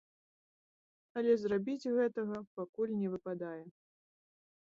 Але зрабіць гэтага пакуль не выпадае.